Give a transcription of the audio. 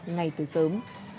ngay từ sớm